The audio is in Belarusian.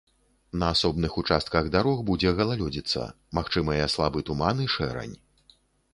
На асобных участках дарог будзе галалёдзіца, магчымыя слабы туман і шэрань.